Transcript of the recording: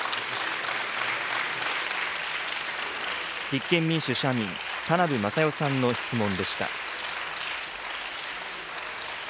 立憲民主・社民、田名部匡代さんの質問でした。